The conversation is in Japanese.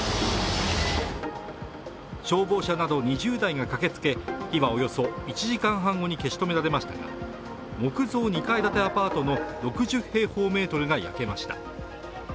消防車など２０台が駆けつけ火はおよそ１時間半後に消し止められましたが木造２階建てアパートの６０平方メートルが焼けました。